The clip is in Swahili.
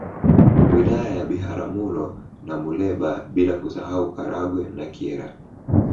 Wilaya ya Biharamulo na Muleba bila kusahau Karagwe na Kyerwa